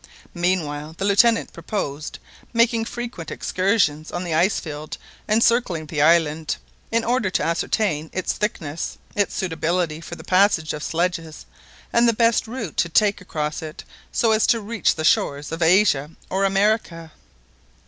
Meanwhile the Lieutenant proposed making frequent excursions on the ice field encircling the island, in order to ascertain its thickness, its suitability for the passage of sledges, and the best route to take across it so as to reach the shores of Asia or America.